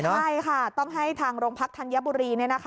ใช่ค่ะต้องให้ทางโรงพักธัญบุรี